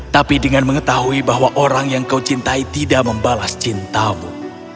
tapi dengan mengetahui bahwa orang yang kau cintai tidak membalas cintamu